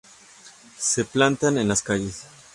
Se plantan en las calles.